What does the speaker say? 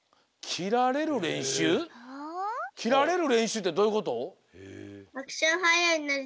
きられるれんしゅうってどういうこと？